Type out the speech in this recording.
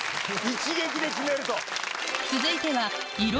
一撃で決めると。